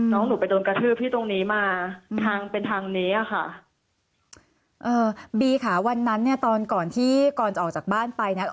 น้องหนูไปโดนกระทืบที่ตรงนี้มาทางเป็นทางนี้อ่ะค่ะเอ่อบีค่ะวันนั้นเนี่ยตอนก่อนที่ก่อนจะออกจากบ้านไปเนี้ย